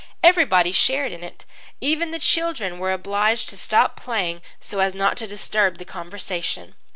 Everybody shared in it. Even the children were obliged to stop playing so as not to disturb the conversation.